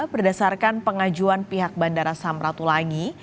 berdasarkan pengajuan pihak bandara samratulangi